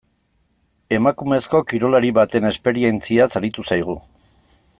Emakumezko kirolari baten esperientziaz aritu zaigu.